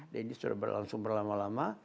dan ini sudah berlangsung berlama lama